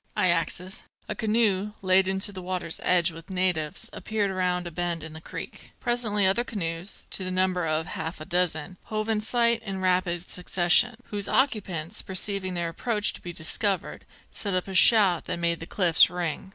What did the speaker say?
I axes." A canoe, laden to the water's edge with natives, appeared round a bend in the creek. Presently other canoes, to the number of half a dozen, hove in sight in rapid succession, whose occupants, perceiving their approach to be discovered, set up a shout that made the cliffs ring.